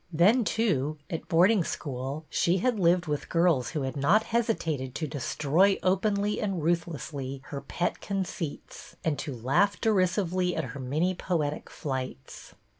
Then, too, at board ing school she had lived with girls who had not hesitated to destroy openly and ruthlessly her pet conceits and to laugh derisively at her many poetic flights.